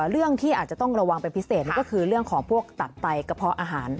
เรื่องที่อาจจะต้องระวังเป็นพิเศษก็คือเรื่องของพวกตัดไตกระเพาะอาหาร